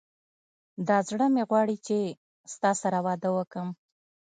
دا زړه مي غواړي چي ستا سره واده وکم